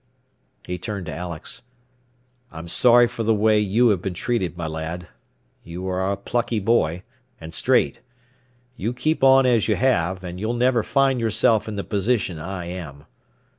He turned to Alex. "I'm sorry for the way you have been treated, my lad. You are a plucky boy, and straight. You keep on as you have, and you'll never find yourself in the position I am.